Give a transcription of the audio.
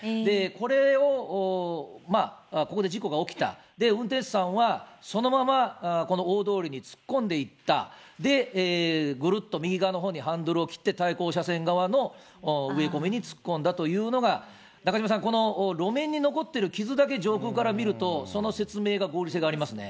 これを、ここで事故が起きた、運転手さんはそのままこの大通りに突っ込んでいった、で、ぐるっと右側のほうにハンドルを切って対向車線側の植え込みに突っ込んだというのが、中島さん、この路面に残っている傷だけ上空から見ると、その説明が合理性がありますね。